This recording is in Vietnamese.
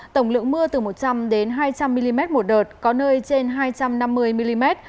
tổng lượng mưa từ một trăm linh hai trăm linh mm một đợt có nơi trên hai trăm năm mươi mm